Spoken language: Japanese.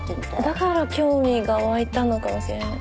だから興味が湧いたのかもしれない。